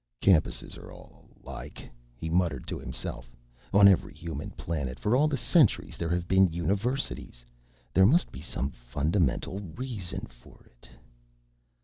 Campuses are all alike, he muttered to himself, _on every human planet, for all the centuries there have been universities. There must be some fundamental reason for it.